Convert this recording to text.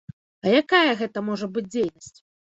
А якая гэта можа быць дзейнасць?